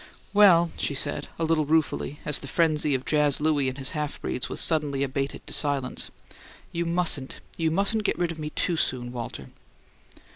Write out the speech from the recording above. "Well," she said, a little ruefully, as the frenzy of Jazz Louie and his half breeds was suddenly abated to silence, "you mustn't you mustn't get rid of me TOO soon, Walter."